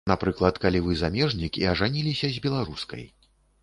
Напрыклад, калі вы замежнік і ажаніліся з беларускай.